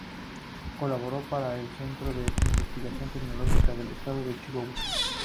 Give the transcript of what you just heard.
Colaboró para el Centro de Investigación Tecnológica del Estado de Chihuahua.